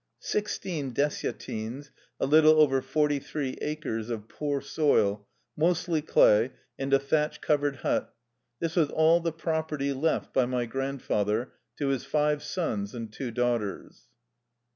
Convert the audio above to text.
Sixteen dessiatines (a little over forty three acres) of poor soil, mostly clay, and a thatch covered hut — this was all the property left by my grandfather to his йте sons and two daugh ters.